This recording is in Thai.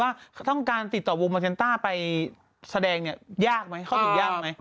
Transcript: ถ้าต้องติดต่อวงโมเมินต้าร์ไปแสดงเนี่ยยากไหมเขาติดต่อที่ยากไหม